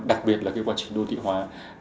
đặc biệt là cái quá trình đô thị hóa